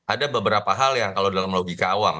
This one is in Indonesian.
ada beberapa hal yang kalau dalam logika awam